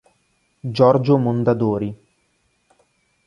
Giorgio Mondadori.